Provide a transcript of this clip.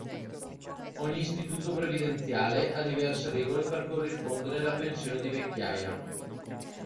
Ogni istituto previdenziale ha diverse regole per corrispondere la pensione di vecchiaia.